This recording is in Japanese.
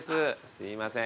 すいません。